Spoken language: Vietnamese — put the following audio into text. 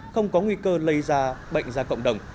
không có nguy cơ lây ra bệnh ra cộng đồng